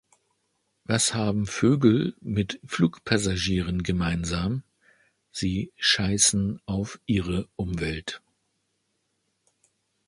Was haben Vögel mit Flugpassagieren gemeinsam? Sie scheißen auf ihre Umwelt.